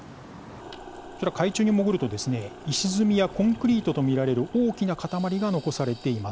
海中に潜ると石積みやコンクリートと見られる大きな塊が残されています。